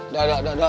duh duh duh duh